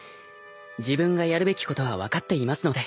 自分がやるべきことは分かっていますので。